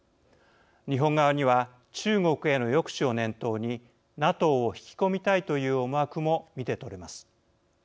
日本側には中国への抑止を念頭にＮＡＴＯを引き込みたいという思惑も見て取れます。